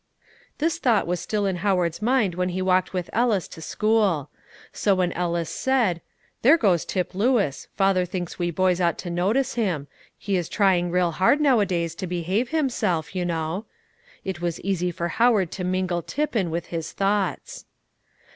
This thought was still in Howard's mind when he walked with Ellis to school. So, when Ellis said, "There goes Tip Lewis; father thinks we boys ought to notice him; he is trying real hard now a days to behave himself, you know," it was easy for Howard to mingle Tip in with his thoughts.